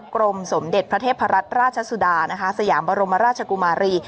กรมสมเด็จพระเทพรัตนราชสุดานะคะสยามบรมราชกุมารี